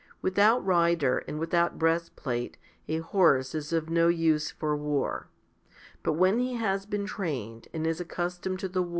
Without rider and without breastplate, a horse is of no use for war. But when he has been trained and is accustomed to the 1 John i.